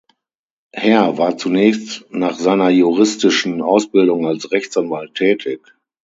Herr war zunächst nach seiner juristischen Ausbildung als Rechtsanwalt tätig.